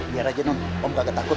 biar aja nom om nggak ketakut